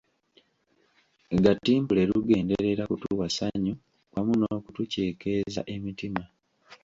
Gatimpule lugenderera kutuwa ssanyu wamu n’okutuceekeeza emitima.